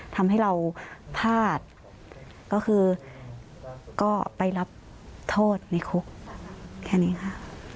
ทำให้เราพลาดก็คือก็ไปรับโทษในคุกแค่นี้ค่ะ